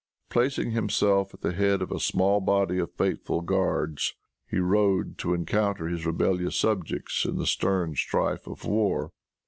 Placing himself at the head of a small body of faithful guards, he rode to encounter his rebellious subjects in the stern strife of war.